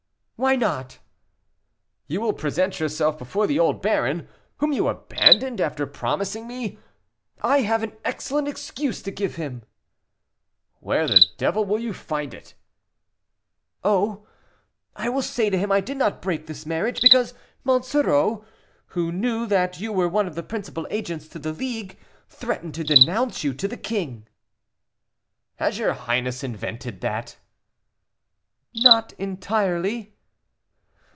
"Why not?" "You will present yourself before the old baron, whom you abandoned after promising me " "I have an excellent excuse to give him." "Where the devil will you find it?" "Oh! I will say to him, I did not break this marriage, because Monsoreau, who knew that you were one of the principal agents to the League, threatened to denounce you to the king." "Has your highness invented that?" "Not entirely."